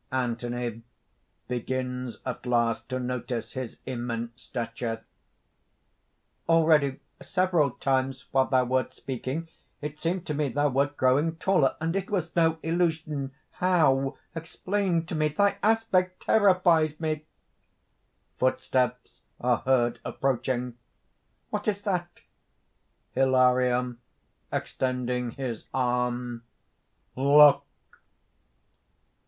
_) ANTHONY (begins at last to notice his immense stature): "Already several times, while thou wert speaking, it seemed to me thou wert growing taller; and it was no illusion! How? Explain to me ... Thy aspect terrifies me!" (Footsteps are heard approaching.) "What is that?" HILARION (extending his arm): "Look!"